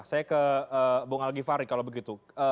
saya ke bung al givhary kalau begitu